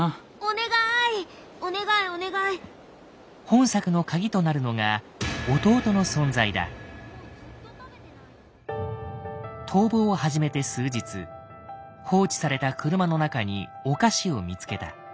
本作のカギとなるのが逃亡を始めて数日放置された車の中にお菓子を見つけた。